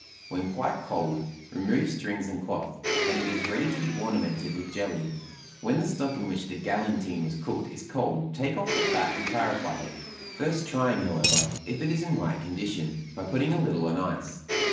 When quite cold, remove strings and cloth, and it is ready to be ornamented with jelly. When the stock in which the galantine was cooked is cold take off the fat and clarify it, first trying, however, if it is in right condition, by putting a little on ice.